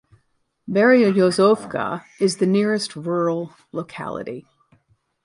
Beryozovka is the nearest rural locality.